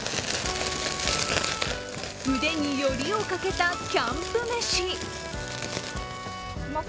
腕によりをかけたキャンプ飯。